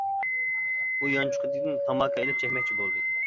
ئۇ يانچۇقىدىن تاماكا ئېلىپ چەكمەكچى بولدى.